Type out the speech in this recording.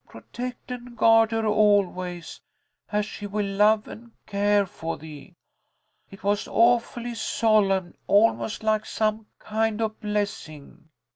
Protect and guard her always, as she will love and care for thee.' It was awfully solemn, almost like some kind of blessing.